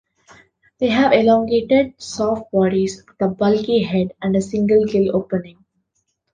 They have elongated, soft bodies, with a bulky head and a single gill-opening.